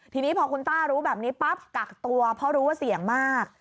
ทีนี้พอคุณต้ารู้แบบนี้ปั๊บกักตัวเพราะรู้ว่าเสี่ยงมาก